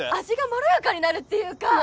味がまろやかになるっていうか。